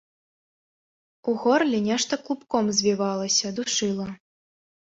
У горле нешта клубком звівалася, душыла.